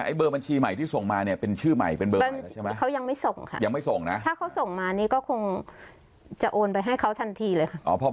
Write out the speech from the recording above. แต่เบอร์บัญชีใหม่ที่ส่งมาเป็นชื่อใหม่เป็นเบอร์ใหม่ใช่ไหม